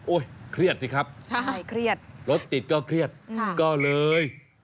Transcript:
โอ๊ยเครียดสิครับรถติดก็เครียดก็เลยค่ะ